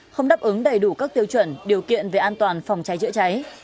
không đáp ứng đầy đủ các tiêu chuẩn điều kiện về an toàn phòng cháy chữa cháy